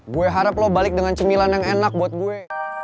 gue harap lo balik dengan cemilan yang enak buat gue